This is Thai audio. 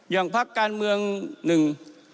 อย่างภาคการเมืองหนึ่ง